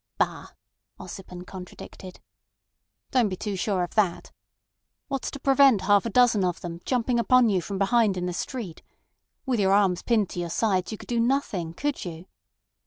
"Bah!" Ossipon contradicted. "Don't be too sure of that. What's to prevent half a dozen of them jumping upon you from behind in the street? With your arms pinned to your sides you could do nothing—could you?"